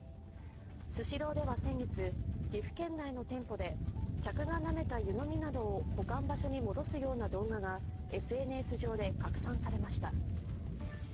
スシローでは先月、岐阜県内の店舗で客がなめた湯飲みなどを保管場所に戻すような動画がＳＮＳ上で拡散されました。